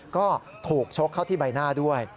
ก็ถูกชกเข้าที่ใบหน้าด้วย